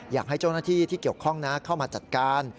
อยากให้เจ้าหน้าที่ที่เกี่ยวข้องเข้ามาจัดการ